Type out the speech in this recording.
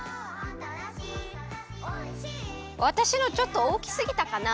わたしのちょっとおおきすぎたかな？